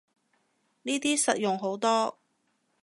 呢啲實用好多